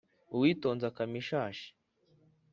Uwitonze akama ishashi.